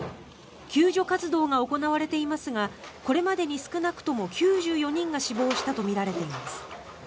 救助活動が行われていますがこれまでに少なくとも９４人が死亡したとみられています。